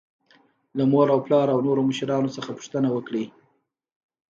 له مور او پلار او نورو مشرانو څخه پوښتنه وکړئ.